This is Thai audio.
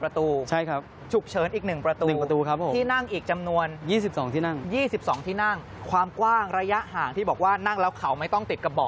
ที่นั่งความกว้างระยะห่างที่บอกว่านั่งแล้วเขาไม่ต้องติดกระบอก